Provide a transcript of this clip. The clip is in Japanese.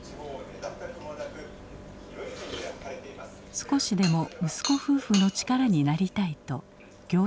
少しでも息子夫婦の力になりたいと行商を続ける。